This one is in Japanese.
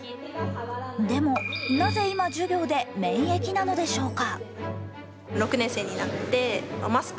でも、なぜ今、授業で免疫なのでしょうか？